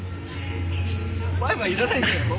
バイバイいらないんじゃないの？